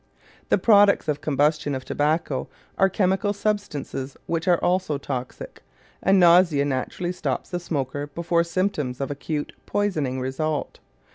The products of combustion of tobacco are chemical substances which are also toxic, and nausea naturally stops the smoker before symptoms of acute poisoning result.